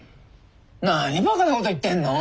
何バカなこと言ってんの？